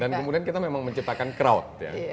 dan kemudian kita memang menciptakan crowd ya